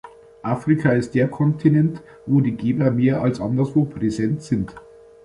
Afrika ist der Kontinent, wo die Geber mehr als anderswo präsent sind.